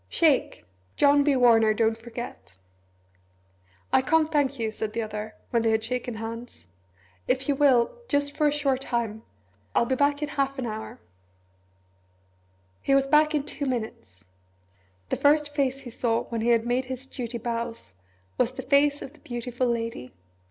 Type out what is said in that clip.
Shake! John B. Warner don't forget." "I can't thank you," said the other, when they had shaken hands. "If you will just for a short time! I'll be back in half an hour " He was back in two minutes. The first face he saw when he had made his duty bows was the face of the Beautiful Lady.